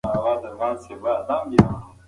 تاسو خپل کمپیوټر له ویروسونو څخه تل وساتئ.